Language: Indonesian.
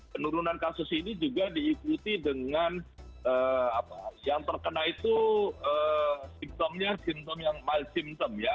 penurunan kasus ini juga diikuti dengan apa yang terkena itu simptomnya simptom yang my symptom ya